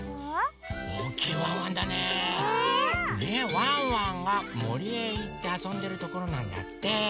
ワンワンがもりへいってあそんでるところなんだって。